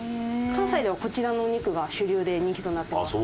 関西ではこちらのお肉が主流で人気となってます。